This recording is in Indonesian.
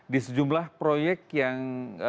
di sejumlah proyek yang